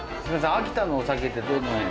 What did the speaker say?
秋田のお酒ってどのへん。